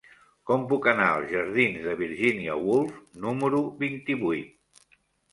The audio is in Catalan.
Com puc anar als jardins de Virginia Woolf número vint-i-vuit?